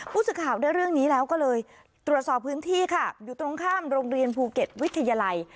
ผู้สื่อข่าวได้เรื่องนี้แล้วก็เลยตรวจสอบพื้นที่ค่ะอยู่ตรงข้ามโรงเรียนภูเก็ตวิทยาลัย